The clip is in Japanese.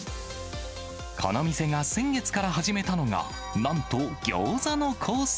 この店が先月から始めたのが、なんとギョーザのコース